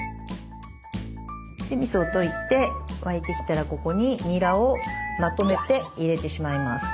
みそを溶いて沸いてきたらここににらをまとめて入れてしまいます。